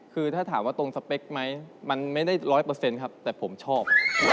คือถ้าถามว่าตรงสเปคไหมมันไม่ได้ร้อยเปอร์เซ็นต์ครับแต่ผมชอบ